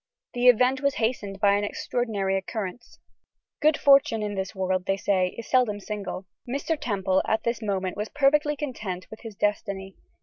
The event was hastened by an extraordinary occurrence. Good fortune in this world, they say, is seldom single. Mr. Temple at this moment was perfectly content with his destiny.